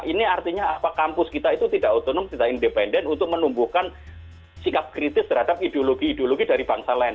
ini artinya apa kampus kita itu tidak otonom tidak independen untuk menumbuhkan sikap kritis terhadap ideologi ideologi dari bangsa lain